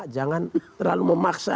jangan terlalu memaksa